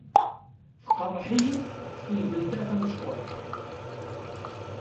Tqerreḥ-iyi tfendent-a tamecṭuḥt.